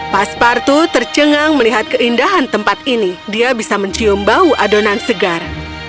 pas partu tercengang melihat keindahan tempat ini dia bisa mencium bau adonan segar